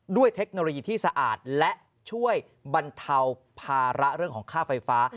เทคโนโลยีที่สะอาดและช่วยบรรเทาภาระเรื่องของค่าไฟฟ้า